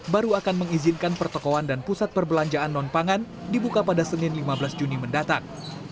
baru akan mengizinkan pertokohan dan pusat perbelanjaan non pangan dibuka pada senin lima belas juni mendatang